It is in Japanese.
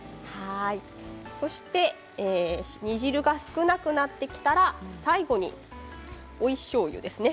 そして煮汁が少なくなってきたら最後に追いしょうゆです。